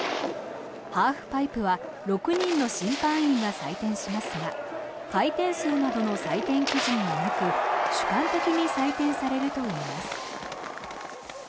ハーフパイプは６人の審判員が採点しますが回転数などの採点基準はなく主観的に採点されるといいます。